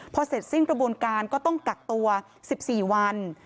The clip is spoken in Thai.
พอเสร็จสิ้นกระบวนการก็ต้องกักตัว๑๔วัน